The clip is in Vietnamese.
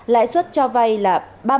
lãi suất cho vay là ba mươi